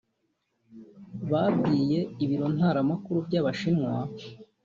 babwiye Ibiro Ntaramakuru by’Abashinwa